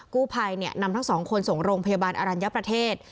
กู้ภัยนำทั้งสองคนส่งโรงพยาบาลอรัญญประเทศ